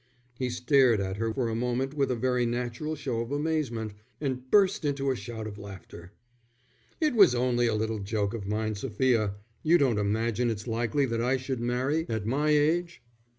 He stared at her for a moment with a very natural show of amazement, and burst into a shout of laughter. "It was only a little joke of mine, Sophia. You don't imagine it's likely that I should marry at my age."